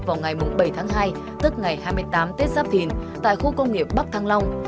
vào ngày bảy tháng hai tức ngày hai mươi tám tết giáp thìn tại khu công nghiệp bắc thăng long